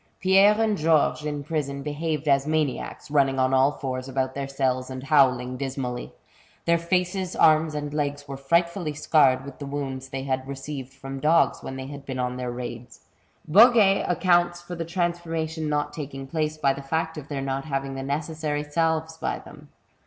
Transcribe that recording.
Pierre and Georges in prison behaved as maniacs, running on all fours about their cells and howling dismally. Their faces, arms, and legs were frightfally scarred with the wounds they had received from dogs when they had been on their raids. Boguet accounts for the transformation not taking place, by the &ct of their not having the necessary salves by them.